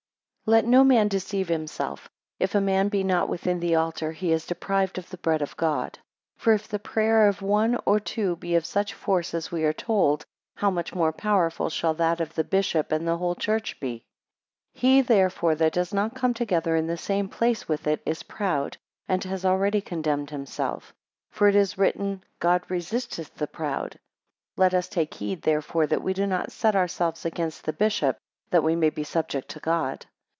2 Let no man deceive himself; if a man be not within the altar, he is deprived of the bread of God. For if the prayer of one or two be of such force, as we are told; how much more powerful shall that of the bishop and the whole church be? 3 He therefore that does not come together in the same place with it, is proud, and has already condemned himself; for it is written, God resisteth the proud. Let us take heed therefore, that we do not set ourselves against the bishop, that we may be subject to God.